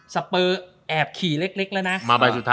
สเปอร์แอบขี่เล็กแล้วนะ